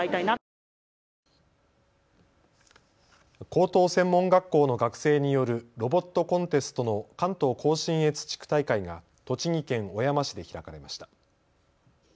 高等専門学校の学生によるロボットコンテストの関東甲信越地区大会が栃木県小山市で開かれました。